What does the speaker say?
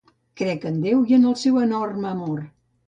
Crec en Déu i en el seu enorme amor.